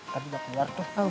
kak dina kelihatan tuh